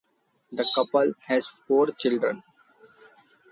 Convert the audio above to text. The couple has four children.